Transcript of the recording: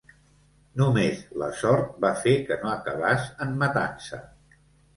Només la sort va fer que no acabàs en matança.